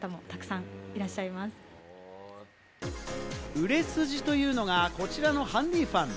売れ筋というのがこちらのハンディファン。